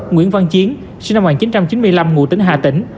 nguyễn văn chiến sinh năm một nghìn chín trăm chín mươi năm ngụ tính hà tĩnh